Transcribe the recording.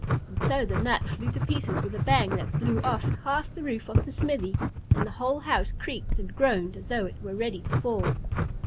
And so the nut flew to pieces with a bang that blew off half the roof of the smithy, and the whole house creaked and groaned as though it were ready to fall.